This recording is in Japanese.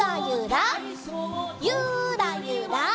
ゆらゆら。